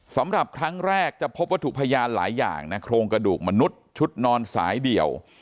สำหรับครั้งแรกจะพบวัตถุพยานหลายอย่างนะโครงกระดูกมนุษย์ชุดนอนสายเดี่ยว